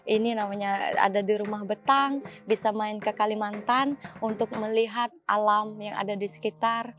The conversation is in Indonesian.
ini namanya ada di rumah betang bisa main ke kalimantan untuk melihat alam yang ada di sekitar